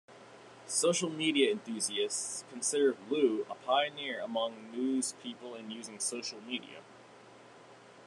Social media enthusiasts consider Loo a pioneer among news people in using social media.